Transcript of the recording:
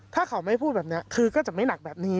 ถ้าเขาไม่พูดแบบนี้คือก็จะไม่หนักแบบนี้